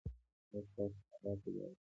ایا ستاسو خندا طبیعي ده؟